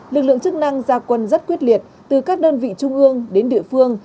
lực lượng chức năng gia quân rất quyết liệt từ các đơn vị trung ương đến địa phương